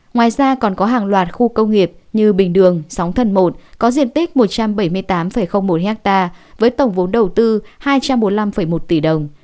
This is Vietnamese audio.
ngoài ra còn có hàng loạt khu công nghiệp như bình đường sóng thần một có diện tích một trăm bảy mươi tám một ha với tổng vốn đầu tư hai trăm bốn mươi năm một tỷ đồng